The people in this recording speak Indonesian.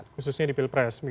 khususnya di pilpres